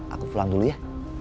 aku pulang dulu ya